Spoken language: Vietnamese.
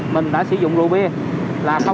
mời tạc hòa không nói nha